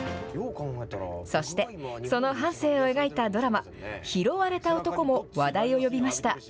そして、その半生を描いたドラマ、拾われた男も話題を呼びました。